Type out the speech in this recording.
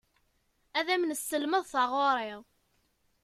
Ad am-nesselmed taɣuri.